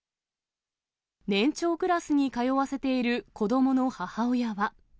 年長クラスに通わせている子どもの母親は。